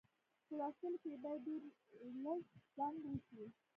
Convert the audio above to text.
په لوستلو کې یې باید ډېر لږ ځنډ وشي.